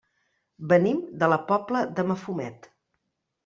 Venim de la Pobla de Mafumet.